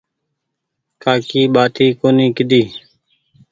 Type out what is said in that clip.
ڪآڪي ٻآٽي ڪونيٚ ڪيڌي